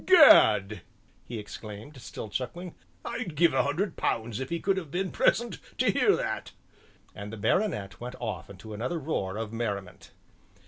"Gad!" he exclaimed, still chuckling, "I'd give a hundred pounds if he could have been present to hear that," and the baronet went off into another roar of merriment.